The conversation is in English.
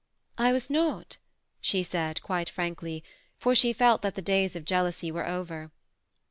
" I was not/* she said, quite frankly, for she felt that the days of jealousy were over.